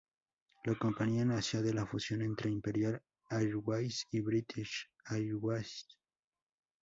La compañía nació de la fusión entre Imperial Airways y British Airways Ltd.